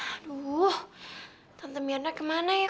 aduh tante mianda kemana ya